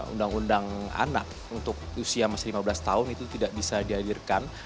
undang undang anak untuk usia masih lima belas tahun itu tidak bisa dihadirkan